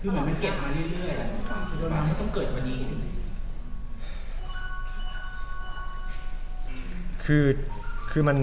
มันเก็บมาเรื่อยมันต้องเกิดไปดี